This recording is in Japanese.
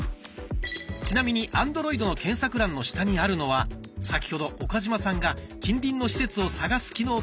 ちなみにアンドロイドの検索欄の下にあるのは先ほど岡嶋さんが近隣の施設を探す機能として紹介しました。